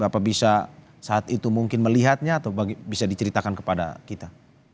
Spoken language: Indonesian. apakah bisa saat itu mungkin melihatnya atau bisa diceritakan kepada kita